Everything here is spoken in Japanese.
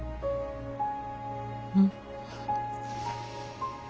うん。